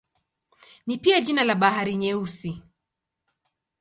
Ni pia jina la Bahari Nyeusi.